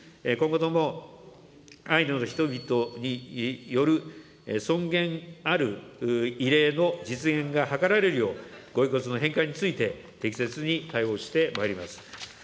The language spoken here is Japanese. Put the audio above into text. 今後ともアイヌの人々による、尊厳ある異例の実現が図られるよう、ご遺骨の返還について適切に対応してまいります。